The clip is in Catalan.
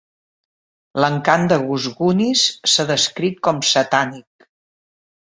L'encant de Gousgounis s'ha descrit com "satànic".